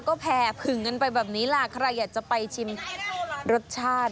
ก็แผ่ผึ่งกันไปแบบนี้ล่ะใครอยากจะไปชิมรสชาติ